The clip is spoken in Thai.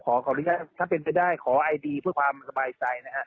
ขออนุญาตถ้าเป็นไปได้ขอไอดีเพื่อความสบายใจนะฮะ